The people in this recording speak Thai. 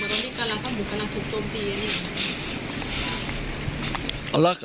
ข้าวหมูเหมือนตอนนี้กำลังถูกต้มตีอันนี้